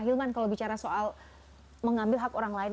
hilman kalau bicara soal mengambil hak orang lain